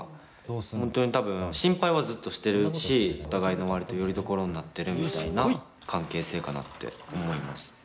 本当に多分心配はずっとしてるしお互いの割とよりどころになってるみたいな関係性かなって思います。